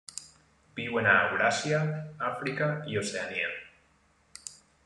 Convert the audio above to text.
Viuen a Euràsia, Àfrica i Oceania.